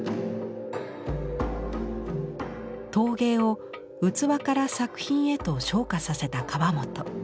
陶芸を器から作品へと昇華させた河本。